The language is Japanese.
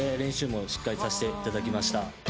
もしっかりさせていただきました。